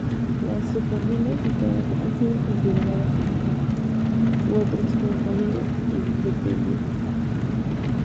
Las subfamilias citadas han sido consideradas en un momento u otro como familias independientes.